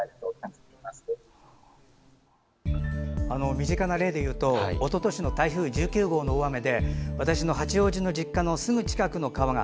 身近な例で言うとおととしの台風１９号の大雨で私の八王子の実家のすぐ近くの川が